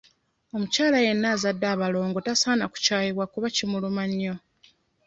Omukyala yenna azadde abalongo tasaana kukyayibwa kuba kimuluma nnyo.